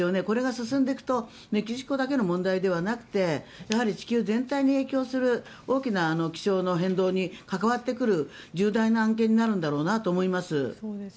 これが進んでいくとメキシコだけの問題ではなくて地球全体に影響する大きな気象の変動に関わってくる重大な案件になるんだろうなと思います。